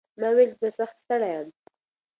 ما وویل چې زه سخت ستړی یم.